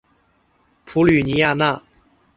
普吕尼亚讷。